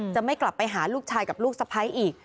จะไม่กลับไปหาลูกชายกับลูกสะพ้ายอีก